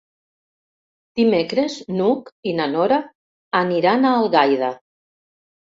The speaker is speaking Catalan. Dimecres n'Hug i na Nora aniran a Algaida.